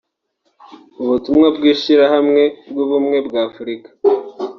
mu butumwa bw'ishirahamwe ry'ubumwe bwa Afrika